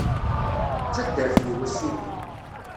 D taddart-iw, a Sidi.